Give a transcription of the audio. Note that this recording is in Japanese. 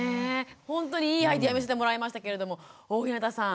ほんとにいいアイデア見せてもらいましたけれども大日向さん